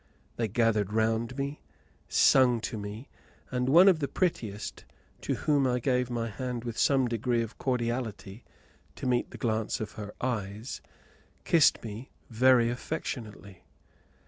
They gathered round me, sung to me, and one of the prettiest, to whom I gave my hand with some degree of cordiality, to meet the glance of her eyes, kissed me very affectionately.